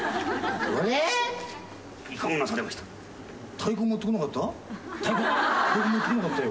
太鼓持ってこなかったよ。